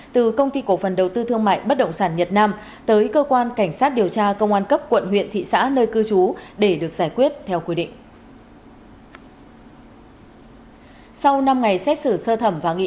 từ công ty cổ phần đầu tư thương mại bất động sản nhật nam tới cơ quan cảnh sát điều tra công an cấp quận huyện thị xã nơi cư trú để được giải quyết theo quy định